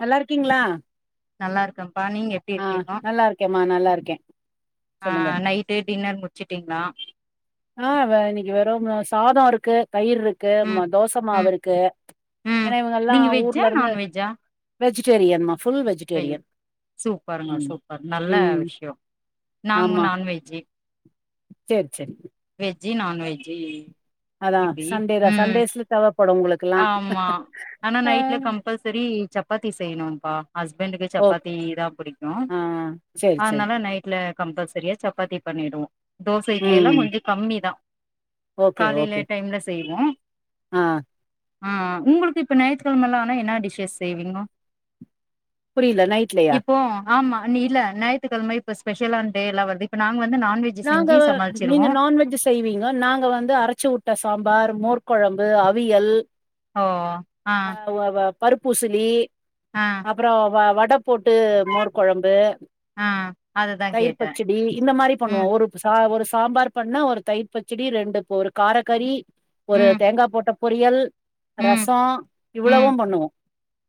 நல்லா இருக்கீங்களா நல்லா இருக்கங் ப்பா நீங்க எப்டி இருக்கீங்கோ மா நல்லா இருக்கே ஆ சொல்லுங்க நைட்டு டின்னர் முடுச்சுட்டீங்களா ஆ வே இன்னிக்கு வெறு சாதோ இருக்கு தயிர் இருக்கு ம் தோச மாவு ம் இருக்கு ம் ஏன்னா இவங்க எல்லா நீங்க வெஜ்ஜா ஊர்ல இருந்து வெஜிட்டேரியன் மா வென் சூப்பருங்க ம் சூப்பர் நல்ல ம் விஷ்யோ நாங்க நான்வெஜ்ஜி சேர் சேரி வெஜ்ஜி நான்வெஜ்ஜி அதா சண்டேதா சண்டேஸ்ல தேவப்படு உங்களுக் ஆமா ஆனா நைட்ல கம்பல் சரி சப்பாத்தி செய்யணுங்ப்பா ஹஸ்பண்டுக்கு ஓ சப்பாத்திதா புடிக்கு ஆ சேரி சேரி அதனால நைட்ல அ கம்பல் சரியா சப்பாத்தி பண்ணிடுவோ தோச இட்லியெல்லாங் ம் கொஞ்ச கம்மிதா ஓகே காலைல ஓகே டைம்ல செய் ம் ஆ ஆ உங்களுக்கு இப்ப ஞாயித்துக்கெழமைல்லா ஆனா என்ன டிஷ்சஸ் செய்வீங்கோ புரில நைட்லயா இப்போ ஆமா நீ இல்ல ஞாயித்துக்கெழம இப்போ எல்லா ஸ்பெஷலான் டே எல்லா வருது இப்ப நா நாங்க நீங்க நான்வெஜ்ஜி செய்வீங்க நாங்க வந்து அரச்சு வுட்ட சாம்பார் மோர் கொழம்பு அவியல் ஓ ஆ பருப்பூசிலி ஆ அப்புறோ வ வடக் போட்டு மோர் கொழம்பு ஆ அதுதா தயிர் கேட்டே பச்சடி இந்த மாரி ம் ஒரு சாம்பார் பண்ணா ஒரு தயிர் பச்சடி ரெண்டு ஒரு காரக்கறி ஒரு ம் தேங்காய் போட்ட பொரியல் ம் ரசோ ம் இவ்வளவும் பண்ணுவோ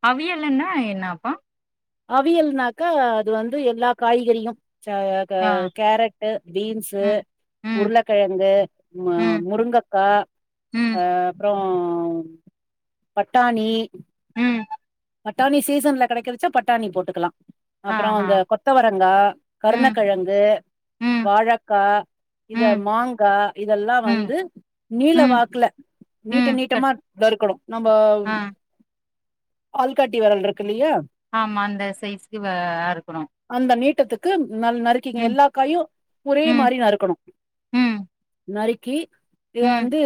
அவியல்ன்னா என்னப்பா அவியல்னாக்கா அது வந்து எல்லா காய்கறியு ஆ கேரட் பீன்ஸ்சு ம் ம் உருளக்கெழங்கு ம் முருங்கக்கா ம் அ அப்றோ அம் பட்டாணி ம் பட்டாணி சீசன்ல்ல கெடைக்கதுச்சா பட்டாணி போட்டுக்கலா ஆ அப்றோ ஆ அந்த கொத்தவரங்கா ம் கருணக்கெழங்கு ம் வாழக்கா இத ம் மாங்கா இதெல்லா ம் வந்து நீல ம் வாக்குல நீட்ட ம் கட் நீட்டமா நறுக்கணு நம்ம ஆ ஆள்காட்டி வெரல் இருக்கு இல்லயா ஆமா அந்த சைஸ்க்கு வ அறுக்கணு அந்த நீட்டத்துக்கு ந நறுக்கி ம் எல்லா காயு ஒரே ம் மாரி நறுக்கணு ம் நறு ஏ இ ம் வந்து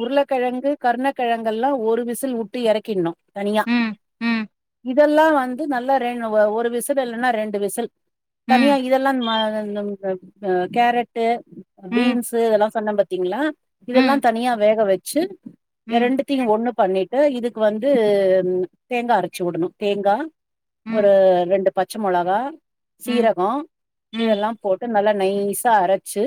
உருளக்கெழங்கு கருணக்கெழங்கெல்லா ஒரு விசில் விட்டு எறக்கிறனு தனியா ம் ம் இதெல்லா வந்து நல்லா ரெண்டுஒரு விசில் இல்லன்னா ரெண்டு விசில் ம் தனியா ம் இதெல்லா கேரட்டு பீன்ஸு இதெல்லா சொன்ன பாத்தீங்களா ம் இதெல்லா தனியா வேக வெச்சு ம் இரண்டுத்தியு ஒன்னு பண்ணிட்டு இதுக்கு வந்து தேங்கா அரச்சு விடணு தேங்கா ம் ஒரு ரெண்டு பச்ச மொளகா ம் சீரககோ ம் இதெல்லாம் போட்டு நல்லா நைசா அரச்சு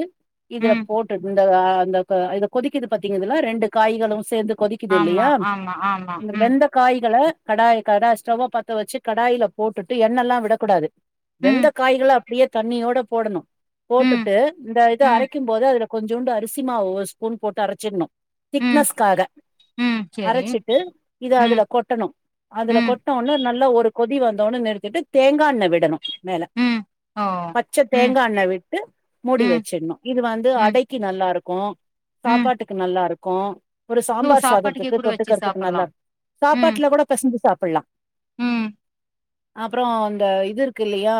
இதுல ம் போட்டு இந்த அந்த இது கொதிக்கது பாத்தீங்களா ரெண்டு காய்களும் சேந்து கொதிக்குது ஆமா இல்லையா ஆமா ஆமா இந்த உம் வெந்த காய்கள கடாய் ஸ்டவு பத்த வெச்சு கடாயில போட்டுட்டு எண்ணெல்லா விடக்கூடாது வெந்த ம் காய்கள அப்டியே தண்ணியோட போடணு ம் போட்டுட்டு இந்த இத ம் அரைக்கும் போதோ அதுல கொஞ்சோன்டு அரிசிமாவு ஒரு ஸ்பூன் போட்டு அரச்சிரணு ம் திக்னஸ்காக ம் சரி அரச்சிட்டு இத ம் அதுல அம் அதுல ம் கொட்ன ஒடனே நல்லா ஒரு கொதி வந்தோன்னே நிறுத்திட்டு தேங்காண்ணெ விடணு மேல ம் ஓ பச்ச ம் தேங்கா ல்ல விட்டு மூடி ம் வச்சிடணும் இது வந்து ம் அடைக்கு நல்லா இருக்கும் ம் சாப்பாட்டுக்கு நல்லா இருக்கும் ஒரு ஓ சாம்பார் சாப்பாட்டுக்கே சாதத்துக்கு கூட வச்சு தொட்டுகுறதுக்கு நல்லா சாப்பலாம் சாப்பாட்ல கூட பெசஞ்சு சாப்டலா உம் அப்றோ இந்த இது இருக்கு இல்லையா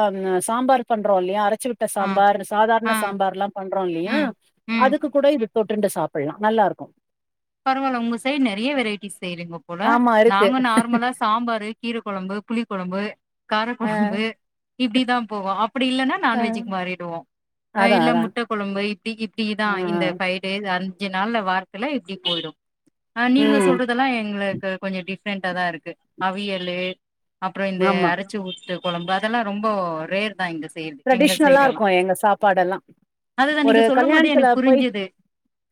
சாம்பார் பண்றோ இல்லயா அர ச்சி விட்ட ஆ சாம்பார் அந்த ஆ சாதாரண சாம்பார்லாம் பண்றோம் இல்லையா ம் ம் அதுக்கு கூட இது தொட்டுண்டு சாப்லா நல்லா இருக்கும் பரவாயில்ல உங்க சைடு நறையா வெரைட்டிஸ் செய்யிறங்கோ போல ஆமா இருக்கு நாங்க நார்மலா சாம்பாரு கீர கொழம்பு புளி கொழம்பு அ காரகொழம்பு இப்டிதா போவு அப் அப்டி இல்லனா நான்வெஜிக்கு மாறிடுவோ ஆ அதா இல்ல அதா முட்ட கொழம்பு வைத் திக்கு இப்டியேதா ஆ இந்த பைவ் டேஸ் அந் கொஞ்ச நால்ல வாரத்துல இப் டி போயிடும் ஆ நீங்க ம் சொல்றதெல்லா எங்கள க கொஞ்ச டிப்ரெண்ட்டா தா இருக்கு அவியலு அப்பறோ இந்த ஆமா அரைச்சி ஊத்த கொழம்பு அதெல்லா ரொம்ப ரேர் தான் இங்க செய்றது எங்க ட்ரெடிஷ்னலா சைடெல்லா இருக்கும் எங்க சாப்பாடெல்லா அதுதா ஒரு நீங்க சொல்லும் போதே கல்யாணத்துல எனக்கு போயி புரிஞ்சுது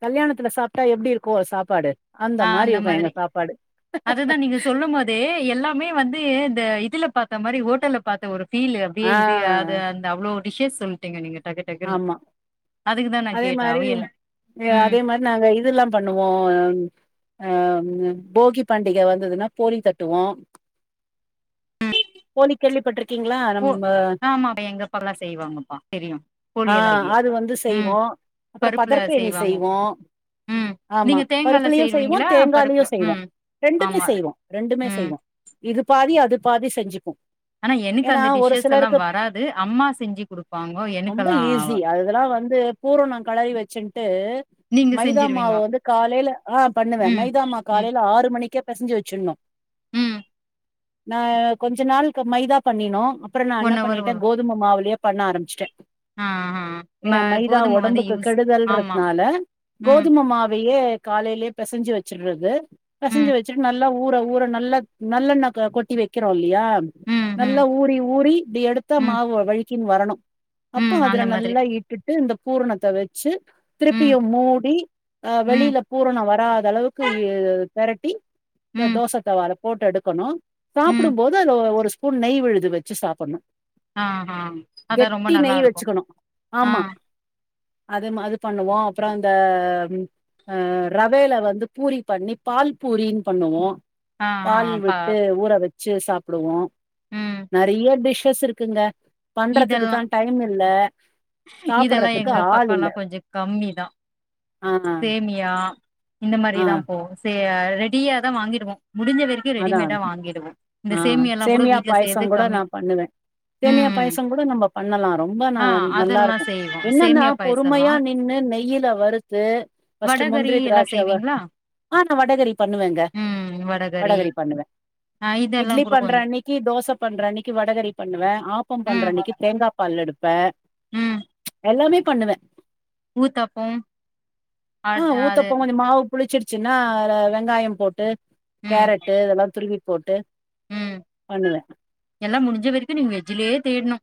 கல்யாணத்துல சாப்ட்டா எப்படி இருக் கோ சாப்பாடு அந்த ஆ மாரி இருக்கும் எங்க மாதிரி சாப்பாடு அதுதா நீங்க சொல்லும் போதே எல்லாமே வந்து இந்த இதுல பாத்த மாரி ஹோட்டல பாத்த ஒரு ஃபீலு அப்டியே ஆ இது அத அந்த அவ்ளோ டிஷ்ஷே சொல்ட்டீங்க நீங்க டக்கு டக்குன்னு ஆமா அதுக்குதா நா அதே கேட்டே மாரி அவியல ம் அதே மாரி நாங்க இதுல்லா பண்ணுவோ ஆ ஆ போகி பண்டிக வந்ததுன்னா போலி தட்டுவோ போலி கள்ளி ஓ ஆமா எங்க அப்பாலா செய்வாங்கப்பா தெரியும் ஆ அது வந்து செய்வோ அப்புறம் பருப்புல பதர்பேணி செய்வாங்க செய்வோ ம் ஆமா நீங்க தேங்கால பருப்புலயு செய்வோ செய்வீங்களா தேங்காலயு பருப்புல செய்வோ ம் ரெண்டுமே ஆமா செய்வோ ரெண்டுமே ம் செய்வோ இது பாத் பதி அது பாதி செஞ்சிபோ ஆனா எனக்கு அந்த டிஷ்ஷஷெல்லா வராது அம்மா செஞ்சு கொடுபாங்க ரொம்ப ஈசி அதெல்லா வந்து பூரனோ கலறி வச்சின்ட்டு நீங்க மைதா மாவ செஞ்சிருவீங்க வந்து காலயில ஆ பண்ணுவே ம் மைதாமா ம் காலயில ஆறு மணிக்கே பெசஞ்சி வச்சினு ம் நா கொஞ்ச நாள்க்கு மைதா பணினோ அப்புறோ நா என்ன ஒன் ஹவர் பண்ணிட்ட வரு கோதும மாவளியே பண்ண ஆரம்பிச்சுட்டே ஆ ஆ ம ஏன்னா மைதா கோதும வந்து உடம்புக்கு யூஸ் ஆமா கெடுதல்றதுனால ம் கோதுமமாவையே காலையிலயே பெசஞ்சி வச்சறது ம் பெசஞ்சு வச்சுட்டு நல்லா ஊற ஊற நல்லா நல்லெண்ண கொட்டி வைக்கிறோம்ல்ல யா ம் நல்லா ம் ஊறி ஊறி இப்டி எடுத்தா ம் மாவு வழிக்கீன்னு வரணு அப்போ ம் அதுல அந்த மாதிரி நல்லா இட்டுட்டு இந்த பூரணத்த இத வச்சு ம் திருப்பியு மூடி அ ம் வெளியில பூரணோ வராத அளவுக்கு இ இ திரட்டி இந்த ம் தோச தவால போட்டு எடுக்கணு சாப்பிடு ம் போது அது ஒ ஒரு ஸ்பூன் நெய் விழுது வச்சு சாப்பிடணு ஆ ஆ அத ரொம்ப குட்டி நல்லா நெய் இருக்கு வச்சுக்கணு ஆ ஆமா அது அது பண்ணுவோ அப்புறோ அந்த அ ரவைல வந்து பூரி பண்ணி பால் பூரினு பண்ணுவோ ஆ ஆ பால் பா விட்டு ஊற வச் வச்சு சாப்பிடுவோ ம் நெறைய டிஷ் ஸ் இருக்குங்க பண்றதுக்கு இதெல்லா தா இல்ல இதெல்லா சாப்பிடுறதுக்கு எங்க ஆள் பக்கல்லா இல்ல கொஞ்சோ கம்மிதா ஆ சேமியா இந்த ஆ மாதிரிதா அதா போவு ரெடியா தா வாங்கிடுவோ முடிஞ்ச வரைக்கு அதா ரெடிமேடா வாங்கிடுவோ இந்த ஆ சேமியால்லா கூட சேமியா வீட்ல செய்யறதே பாயசம் கம்மி ம்ம் இப்ப நம்ம பண்ணலா ரொம்ப ந நல்லா இருக்கு செய்வோ என்னன்னா சேமியா பாயசல்லா பொறுமையா நின்னு நெயில வறுத்து ஃபஸ்ட் வடகறி முந்திரி எல்லா திராட்ச வ செய்வீங்களா ஆ நா வடகறி பண்ணுவேங்க வடகறி பண்ணுவே ஆ இதெல்லா இட்லி கூட பண்ற கொஞ்சோ அன்னைக்கு தோச பண்ற அன்னைக்கு வடகறி பண்ணுவே ஆப்பம் ம் பண்றன்னைக்கு தேங்கா பால் எடு பே ம் எல்லாமே பண்ணுவே ஊத்தப்பம் அ ஆ அது ஊத்தப்போ கொஞ்சோ மாவு புளிச்சிடுச்சுன்னா வெங்காயம் போட்டு ம் கேரட்டு இதெல்லா துறுவி போட்டு ம் பண்ணுவே எல்லா முடிஞ்ச வரைக்கு நீங்க வெஜ்ஜிலேயே தேடணு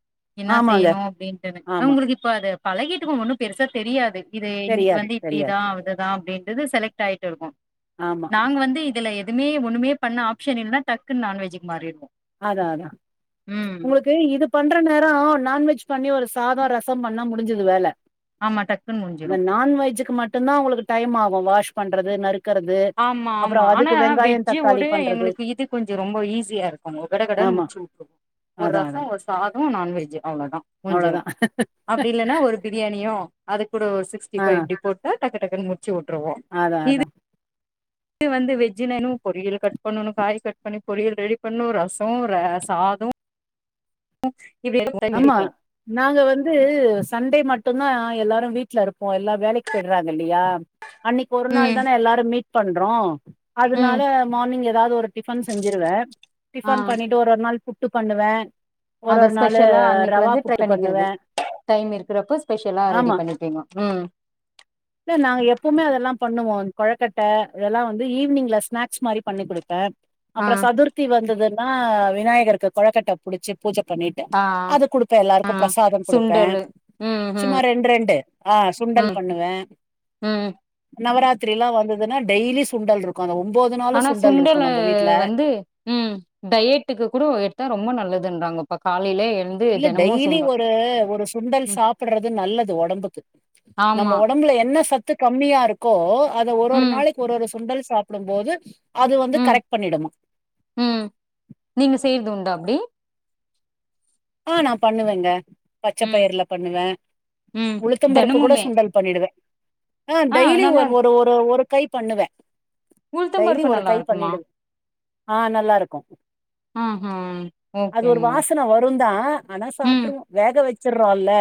என்னா ஆமாங்க செய்யணு அப்டிட்டு ஆமா உங்களுக்கு இப்ப அது பழகிட்டுக்கு ஒண்ணு பெருசா தெரியாதே இது இன்னைக்கு தெரியாது வந்து தெரியாது இப்டிதா இதுதா அப்டின்னு இது செலக்ட் ஆயிட்டு இருக்கு ஆமா நாங்க வந்து இதுல எதுமே ஒண்ணுமே பண்ண ஆப்ஷன் இல்ல டக்குனு நான்வெஜ்ஜீக்கு மாறிடுவோ அதா அதா ம் உங்களுக்கு இது பண்ற நேரோ நான்வெஜ் பண்ணி ஒரு சாதோ ரசோ பண்ணா முடிஞ்சுது வேல ஆமா டக்குன்னு அந்த முடிஞ்சிடு நான்வஜ்ஜுக்கு மட்டும்தா உங்களுக்கு டைம் ஆகு வாஷ் பண்றது நருக் ஆமா ஆமா ஆனா தக்காளி வெஜ்ஜீவோட பண்றது எங்களுக்கு இது கொஞ்ச ரொம்ப ஈஸியா இருக்கு ண்ணுவோ கட கடன்ன்னு ஆமா முடிச்சி வுட்ருவோ ஒரு அதா ரசோ அதா ஒரு சாதம் உ நான்வெஜ்ஜு அவ்ளோதா முஞ்சுரு அவ்ளோதா அப்டி இல்லன்னா ஒரு பிரியாணியோ அது கூட ஒரு சிக்ஸ்டி ஆ ஃபை இப்டி போட்டா டக்கு டக்குனு முடி முடிச்சு வுட்டுருவோ அதா இது அதா வந்து வெஜ்ஜுவேனு பொரியல் கட் பண்ணணு காய் கட் பண்ணி பொரியல் ரெடி பண்ணு ரசோ ர சாதோ இப்டி ஆமா இருக்கு நாங்க வந்து சண்டே மட் மட்டுந்தா எல்லாரு வீட்ல இருப்போ எல்லாரு வேலைக்கு போயிடுறாங்க இல்லையா அன்னிக் ஒரு நாள் ம் தான எல்லாரும் மீட் பண் அப்புறோ ம் அதனால மார்னிங் எதாவது ஒரு டிஃபன் செஞ்சுருவ டிஃபன் பண்ணிட்டு ஒரு நாள் புட் புட்டு பண்ணுவ அதா ஸ்பெஷ் ட்டெல்லா அன்னிக்கு வந்து ட்ரை பண்ணிக்குறது பண்ணுவே டைம் இருக்குறப்ப ஸ்பெஷலா ஆமா ரெடி பண்ணிக்கணு ம் எல்லாம் பண்ணுவோ கொழக்கட்ட இதெல்லா வந்து ஈவினிங்ல ஸ்நேக்ஸ் மாரி பண்ணி குடுப்ப ஆ அப்புறோ சதுர்த்தி வந்ததுங் நா விநாயிகருக்கு கொலக்கட்ட புடுச்சு பூஜ பண்ணிட்டு ஆ அது குடுப்ப எல்லாருக்கு பிரசாதோ குடுப்ப சுண்டலு ம் ம் சும்மா ரெண்டு ரெண்டு ஆ சுண்டல் ம் பண்ணுவ ம் நவராத் திரி எல்லா வந்ததுன்னா டெய்லி சுண்டல் இருக்கு அந்த ஒம்போது நாளு ஆனா சுண்டல் சுண்டல இருக்கு நம்ம வீட்ல வந்து ம் டயட்டுக்கு கூட எடுத்தா ரொம்ப நல்லதுன்றாங்க பக்கார் இல்ல டெய்லி ஒரு ஒரு சுண்டல் ம் சாப்புடுறது நல்லது ஒடம்புக்கு நம்ப ஆமா ஒடம்புல என்ன சத் சத்து கம்மியா இருக்கோ அத ஒரு ஒரு ம் நாளைக்கு ஒரு ஒரு சுண்டல் சாப்புடும் போது அது வந்து ம் கரெக்ட் பண்ணிடுமா ம் நீங்க செய்றது உண்டா அப்டி ஆ நா பண்ணுவேங்க பச்ச ம் பயிருல பண்ணுவ ம் உளுத்தம் பருப்பு கூட தெனமுமே சுண்டல் பண்ணிடுவ ஆ டெய்லி நல்லா ஒர் இருக்கு ஒரு ஒரு ஒரு கை பண்ணுவ உளுத்தம் டெய்லி பருப்பு ஒரு நல்லா கை இருக்குமா பண்ணிடுவ் ஆ நல்லா இருக்கு ஆஹா ஓகேங்க ந்தா ஆனா ம் சாப்புடுவோ வேக வேக வெச்சுறோல்ல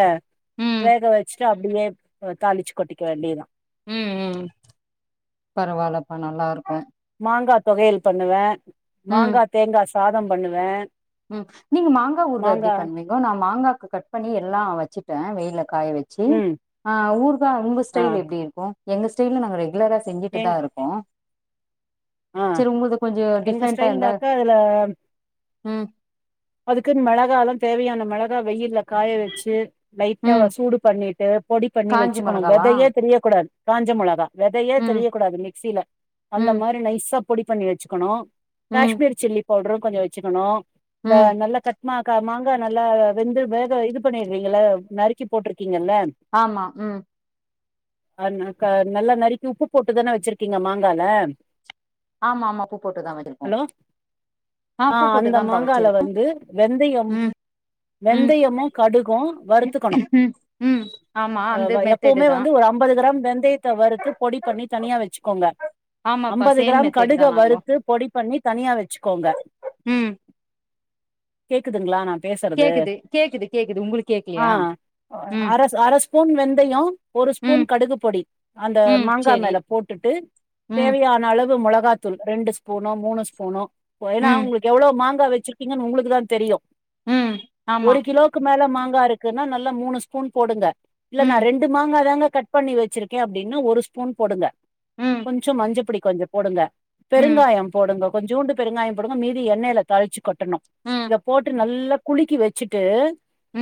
ம் வேக வெச்சுட்டு அப்டியே தாளிச்சு கொட்டிக்க வேண்டிதா ம் அப்ப நல்லா இருக்கு மாங்கா தொவையல் பண்ணுவே ம் மாங்கா தேங்காஸ் சாதம் பண்ணுவே ம் நீங்க மாங்காஊருகா எப்பிடி மாங்கா பண்ணுவீங்கோ நா மாங்காக்கு கட் பண்ணி எல்லா வச்சிட்டே வெ காய வச்சி ம் ஆ ஊருக்கா உங்கு ஆ ஸ்டைல் எப்பிடி இருக்கு எங்க ஸ்டைல்ல நாங்க ரெ ல்லரா செஞ்சிட்டுதா எங் இருக்கோ ஆ செரி உங்கள்து கொஞ்சோ எங்க டிஃப்ரெண்டா இருந்தா ஸ்டைல்ந்தாக்கா அதுல ம் அதுக்கு மிளகாலா தேவையான மிளகா வெயில்ல காய வச்சி லைட்டா ம் சூடு பண்ணிட்டு பொடி பண்ணி காஞ்ச வச்சுக்கணு மொளகாவா வெதையே தெரியக்க கூடாது காஞ்சமொளகா வெதயே ம் தெரியக்க கூடாது மிக்சியில அந்த ம் மாரி நைசப் பொடி பண்ணி வச்சுக்கணு ம் காஷ்மீர் சில்லி பவுடரு கொஞ்சோ வச்சுக்கணு இந்த ம் நல்ல கட்மாக்க மாங்கா நல்லா வெந்து வேக இது பண்ணிரிவீங்கல்ல நறுக்கி போட்டிருக்கே ஆமா ம் அ ந க நல்லா நறுக்கி உப்பு போட்டுதான வச்சிருக்கீங்க மாங்கால ஆமா ஆமா உப்பு போட்டுதா வச்சிருக்கோ ஹலோ ஆ உப்பு போட்டுதா பா வ ங்காள வந்து வெந்தயம் ம் வெந்தயமு கடுகு வருதுக்கணு ம் ம் ஆமா அந்த அ மெத்தேடு எப்பவுமே வ தா ஒரு அம்பது கிராம் வெந்தயத்த வறுத்து பொடி பண்ணி தனியா வச்சி க்கோங்க ஆமாப்பா அம்பது சேம் கிராம் மெத்தேடு தா கடுகடுக நாங்கோ வறுத்து பொடி பண்ணி தனியா வச்சுக்கோங்க ம் கேக்குதுங்களா நா பேசுறது கேக்குது கேக்குது கேக்குது உங்களுக்கு ஆ கேக்கலையா ம் அரஸ் அரஸ்பூன் வெந்தயோ ஒரு ம் ஸ்பூன் கடுகுப்பொடி அந்த ம் மாங்கா சேரி மேல போட்டுட்டு ம் தேவையான அளவு மொள காத்தூள் ரெண்டு ஸ்பூனோ மூணு ஸ்பூனோ போ ஏன்னா ம் உங்களுக்கு எவ்ளோ மாங் க்கா வச்சு பிங்கன்னு உங்களுக்குதா தெரியு ம் ஆமா ஒரு கிலோக்கு மேல மாங் ங்கா இருக்குன்னா நல்லா மூணு ஸ்பூன் போடுங்க இல்ல நா ம் ரெண்டு மாங்கா தாங்க கட் பண்ணி வச்சிருக்கே அப்படின்னா ஒரு ஸ்பூன் போடுங்க ம் கொஞ்சோ மஞ்ச பொடி கொஞ்சம் போடுங்க ம் பெருங்காயம் போடுங்க கொஞ்சோண்டு பெருங்காயம் போடுங்க மீதி எண்ணெயில தாளிச்சு ட்டனும் ம் இத போட்டு நல்லா குளிக்கி வச்சிட்டு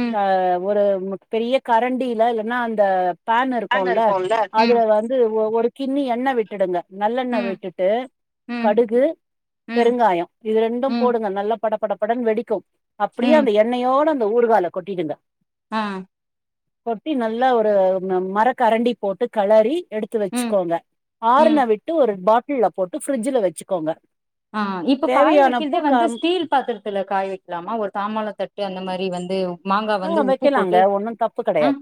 ம் தா ஒரு உங்க பெரிய கரண்டியில இல்லன்னா அந்த பேன் இருக்கும் இல்ல இருக்குல்ல ம் அதுல வந்து ஒரு கிண்ணி எண்ண விட்டுடுங்க நல்லெண்ண ம் விட்டுட்டு ம் கடுகு ம் பெருங்காயம் இது ரெண்டும் ம் போடுங்க நல்லா படப் படப் படன் வெடிக்கும் அப்டியே ம் அந்த எண்ணையோட அந்த ல ஊருக்காய்ல கொட்டிடுங்க ஆ கொட்டி நல்லா ஒரு மரக்கரண்டி போட்டு களறி எடுத்து ம் வச்சுக்கோங்க ம் ஆறுன விட்டு ஒரு பாட் டில்ல போட்டு ஃப்ரிட்ஜில வச்சிக்கோங்க ஆ இப்ப காய வைக்கிறதே வந்து ஸ்டீல் பாத்திரத்துல காய வைக்கலாமா ஒரு தாமாள தட்டு அந்த மாரி வந்து மாங்கா ஆ வந்து உப்பு வைக்கலாங்க போட்டு ஒன்னும் தப்பு ஆ கெடையாது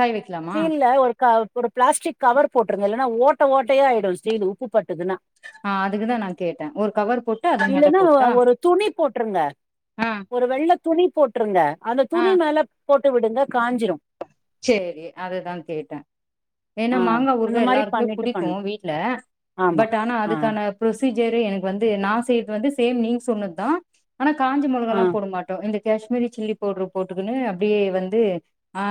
காய் வைக்கலாமா ஸ்டீல ஒரு கவ் ஒரு பிளாஸ்டிக் கவர் போட்டுருங்க இல்லன்னா ஓட் ட்ட ஓட்டையா ஆயிடும் ஸ்டீல் உப்பு பட்டுதுன்னா ஆ அதுக்குதா நா கேட்டே ஒரு கவர் போட்டு அது மேல இல்லன்னா ஒ போட்டா ஒரு துணி போட்டுருங்க ஆ ஒரு வெள்ள துணி போட்டுருங்க அந்த ஆ துணி மேல போட்டு விடுங்க காஞ்சிரும் சரி அதுதான் கேட்டன் ஏன்னா ஆ மாங்கா அந்த ஊருகா மாரி எல்லாருக்குமே பண்ணிட்டு பண்லா பிடிக்கும் வீட்ல ஆமா பட் ஆனா ஆ அதுக்கான ப்ரொசீஜர் எனக்கு வந்து நா செய்றது வந்து சேம் நீங்க சொன்னதான் ஆனா காஞ்ச ஆ மொளகலாம் போட மாட்டோம் இந்த கேஷ்மீரி சில்லி பவுடரு போட்டுக்கன்னு அப்டே வந்து ஆ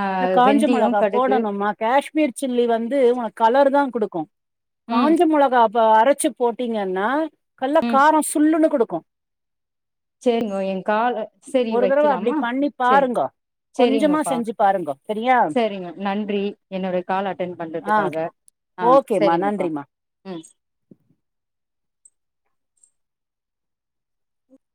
[unintelligible] வெந்தயோ மிளகா கடுகு போடணும்மா காஷ்மீர் சில்லி வந்து உனக் கலர் [unintelligible] தா குடுக்கு ம் காஞ்ச மொளகா இப்ப அரைச்சு போட்டீங்கன்னா நல்லா காரோ சுல்லுன்னு குடுக்கு சேரிங்கோ எ கால சேரி ஒரு தடவ அப்டி வைக்கலாமா பண்ணி சேரி பாருங்கோ கொஞ்சமா சேரிங்கப்பா செஞ்சு பாருங்கோ சரியா சேரிங்க நன்றி என்னோடைய கால் அட்டன் ஆ பண்றதுக்காக ஆ ஓகேமா சேரிங்கப்பா நன்றிமா உ